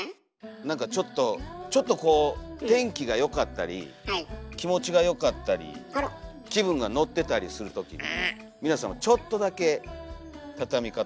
何かちょっとちょっとこう天気が良かったり気持ちがよかったり気分が乗ってたりする時に皆様ちょっとだけたたみ方を。